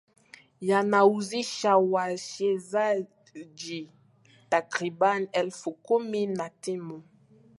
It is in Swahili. yanahuzisha wachezaji takriban elfu kumi na timu